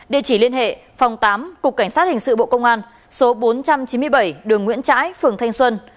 địa chỉ liên hệ phòng tám cục cảnh sát hình sự bộ công an số bốn trăm chín mươi bảy đường nguyễn trãi phường thanh xuân